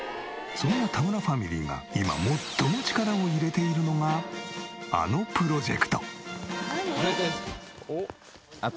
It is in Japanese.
そんな田村ファミリーが今最も力を入れているのがあのプロジェクト。